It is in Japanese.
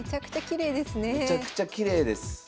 めちゃくちゃきれいですね。